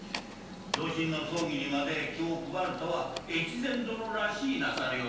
同心の葬儀にまで気を配るとは越前殿らしいなさりようで。